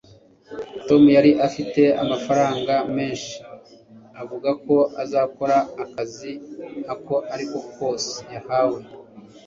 tom yari afite amafaranga menshi avuga ko azakora akazi ako ari ko kose yahawe